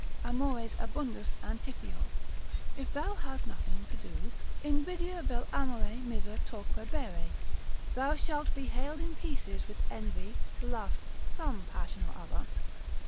Amore abundas Antiphio. If thou hast nothing to do, Invidia vel amore miser torquebere—Thou shalt be haled in pieces with envy, lust, some passion or other.